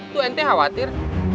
tuh ente khawatir